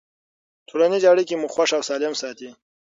ټولنیزې اړیکې مو خوښ او سالم ساتي.